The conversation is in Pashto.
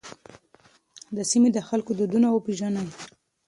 د سیمې د خلکو دودونه وپېژنئ.